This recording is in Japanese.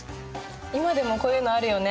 今でもこういうのあるよね？